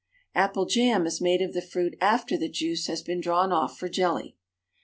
Apple jam is made of the fruit after the juice has been drawn off for jelly.